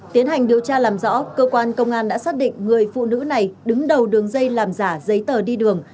tiến hành điều tra làm rõ cơ quan công an đã xác định người phụ nữ này đứng đầu đường dây làm giả giấy tờ đi đường